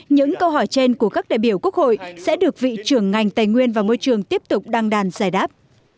những câu hỏi trên của các đại biểu quốc hội sẽ được vị trưởng ngành tài nguyên và môi trường tiếp tục đăng đàn giải đáp